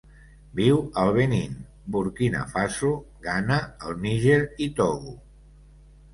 Viu al Benín, Burkina Faso, Ghana, el Níger i Togo.